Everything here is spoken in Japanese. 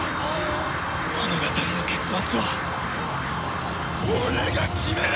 物語の結末は俺が決める！